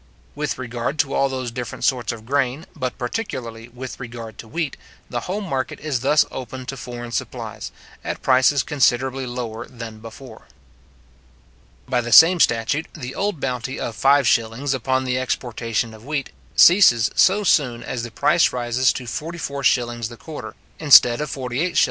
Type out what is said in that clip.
With regard to all those different sorts of grain, but particularly with regard to wheat, the home market is thus opened to foreign supplies, at prices considerably lower than before. By the same statute, the old bounty of 5s. upon the exportation of wheat, ceases so soon as the price rises to 44s. the quarter, instead of 48s.